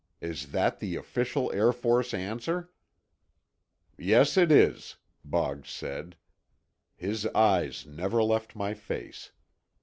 Is that the official Air Force answer?" "Yes, it is," Boggs said. His eyes never left my face.